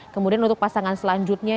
kemudian untuk pasangan selanjutnya